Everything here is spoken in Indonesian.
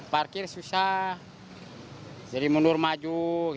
parkir susah jadi mundur maju